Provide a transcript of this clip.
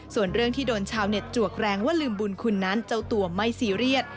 ส่วนเรื่องที่โดนชาวเน็ตจวกแรงว่าลืมบุญคุณนั้นเจ้าตัวไม่ซีเรียส